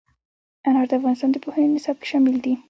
انار د افغانستان د پوهنې نصاب کې شامل دي.